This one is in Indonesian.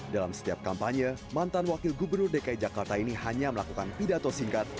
dalam setiap kampanye mantan wakil gubernur dki jakarta ini hanya melakukan pidato singkat